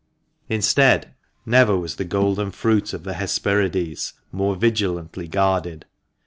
Instead, never was the golden fruit of the Hesperides more vigilantly guarded.